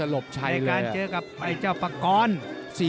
ในการเจอกับไอ้เจ้าประกรร์น